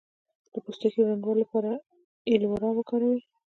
د پوستکي روڼوالي لپاره ایلوویرا وکاروئ